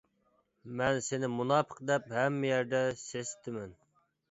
مەن سېنى مۇناپىق دەپ ھەممە يەردە سېسىتىمەن!